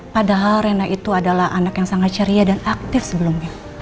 padahal rena itu adalah anak yang sangat ceria dan aktif sebelumnya